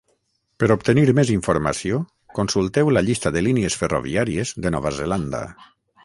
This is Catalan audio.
Per obtenir més informació, consulteu la llista de línies ferroviàries de Nova Zelanda.